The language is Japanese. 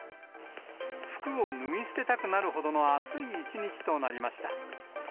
服を脱ぎ捨てたくなるほどの暑い一日となりました。